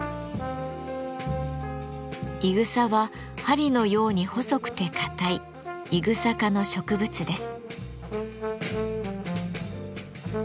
いぐさは針のように細くて硬いイグサ科の植物です。